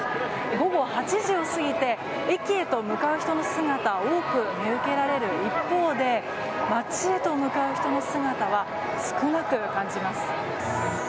午後８時を過ぎて駅へと向かう人の姿が多く見受けられる一方で街へと向かう人の姿は少なく感じます。